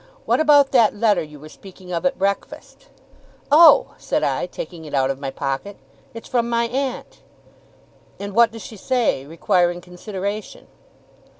What about that letter you were speaking of at breakfast?' 'Oh!' said I, taking it out of my pocket. 'It's from my aunt.' 'And what does she say, requiring consideration?